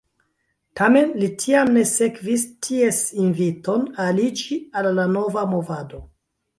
Tamen li tiam ne sekvis ties inviton aliĝi al la nova movado.